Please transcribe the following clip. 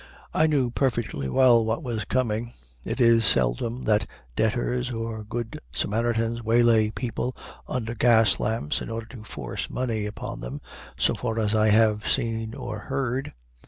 I knew perfectly well what was coming. It is seldom that debtors or good Samaritans waylay people under gaslamps in order to force money upon them, so far as I have seen or heard.